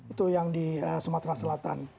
itu yang di sumatera selatan